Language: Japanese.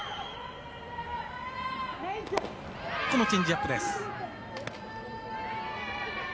チェンジアップです。